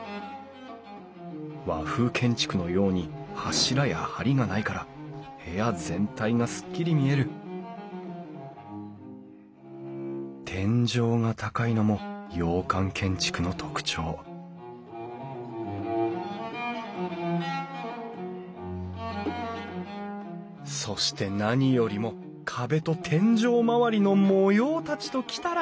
和風建築のように柱や梁がないから部屋全体がすっきり見える天井が高いのも洋館建築の特徴そして何よりも壁と天井周りの模様たちときたら！